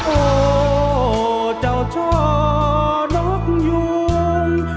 โอ้เจ้าช่อนกยวง